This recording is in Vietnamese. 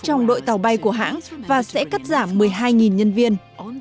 trong đội tàu bay của hãng và sẽ cắt giảm một mươi hai nhân viên